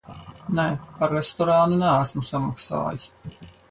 Nē, par restorānu neesmu samaksājis.